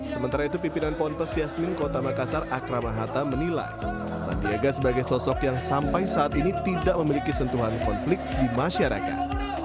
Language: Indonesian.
sementara itu pimpinan ponpes yasmin kota makassar akrama hatta menilai sandiaga sebagai sosok yang sampai saat ini tidak memiliki sentuhan konflik di masyarakat